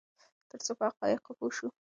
ترڅو په حقایقو پوه شو.